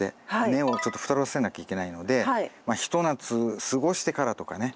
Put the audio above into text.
根をちょっと太らせなきゃいけないのでひと夏過ごしてからとかね。